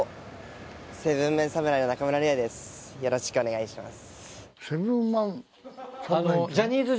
よろしくお願いします。